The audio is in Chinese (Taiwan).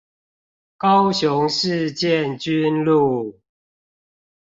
高雄市建軍路